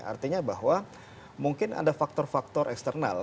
artinya bahwa mungkin ada faktor faktor eksternal